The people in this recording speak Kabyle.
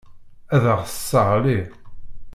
Ad aɣ-tesseɣli.